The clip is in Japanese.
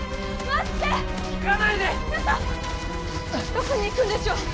どこに行くんでしょう？